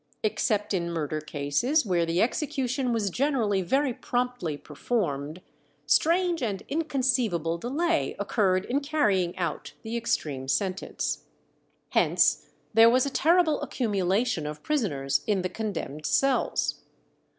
Except in murder cases, where the execution was generally very promptly performed, strange and inconceivable delay occurred in carrying out the extreme sentence. Hence there was a terrible accumulation of prisoners in the condemned cells.